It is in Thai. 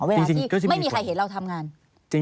เวลาที่ไม่มีใครเห็นเราทำงาน